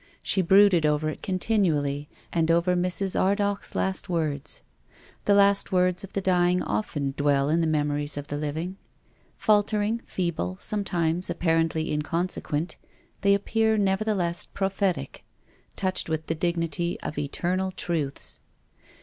She brooded over it continually and over Mrs. Ardagh's last words. The last words of the dying often dwell in the memories of the living. Faltering, feeble, sometimes apparently inconsequent, they appear nevertheless prophetic, touched with the dignity of Eternal truths.